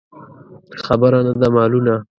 خبره نه ده مالونه.